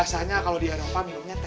rasanya kalau di eropa minumnya teh